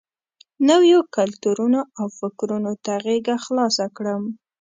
نویو کلتورونو او فکرونو ته غېږه خلاصه کړم.